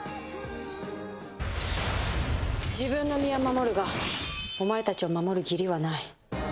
自分の身は守るが、お前たちを守る義理はない。